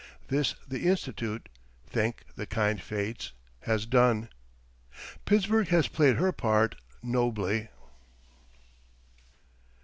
This the Institute, thank the kind fates, has done. Pittsburgh has played her part nobly.